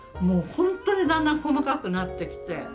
もう本当にだんだん細かくなってきて。